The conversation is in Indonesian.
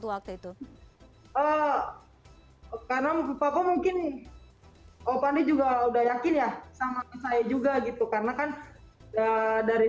waktu itu karena papa mungkin opande juga udah yakin ya sama saya juga gitu karena kan dari